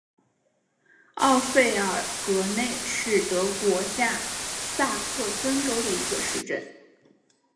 奥费尔格内是德国下萨克森州的一个市镇。